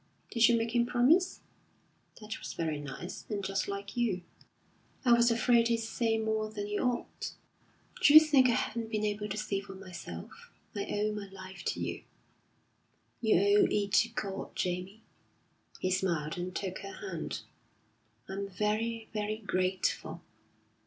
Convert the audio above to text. Did you make him promise? That was very nice, and just like you." "I was afraid he'd say more than he ought." "D'you think I haven't been able to see for myself? I owe my life to you." "You owe it to God, Jamie." He smiled, and took her hand. "I'm very, very grateful!"